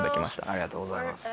ありがとうございます。